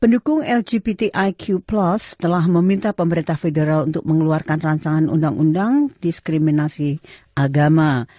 pendukung lgptiq plus telah meminta pemerintah federal untuk mengeluarkan rancangan undang undang diskriminasi agama